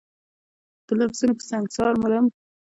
د لفظونو په سنګسار مرم